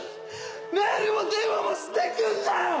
メールも電話もしてくんなよ！